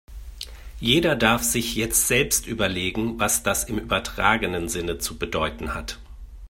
Jeder darf sich jetzt selbst überlegen, was das im übertragenen Sinne zu bedeuten hat.